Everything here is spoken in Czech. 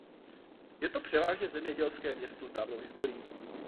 Je to převážně zemědělské město s dávnou historií.